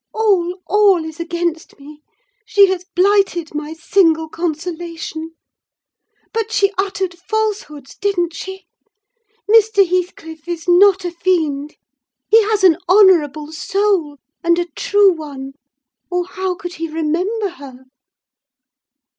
"All, all is against me: she has blighted my single consolation. But she uttered falsehoods, didn't she? Mr. Heathcliff is not a fiend: he has an honourable soul, and a true one, or how could he remember her?"